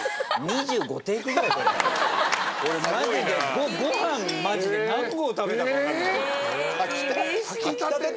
俺マジでご飯何合食べたか分かんない。